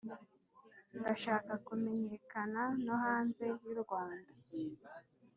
ndashaka kumenyekana no hanze y’u rwanda